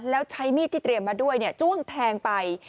แล้วใช้มีดที่เตรียมมาด้วยจ้วงแทงไป